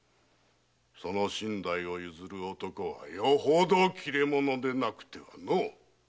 その身代を譲る男はよほど切れ者でなくてはのう。